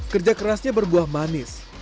kerja kerasnya berbuah manis